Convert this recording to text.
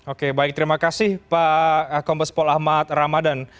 oke baik terima kasih pak kompes pol ahmad ramadan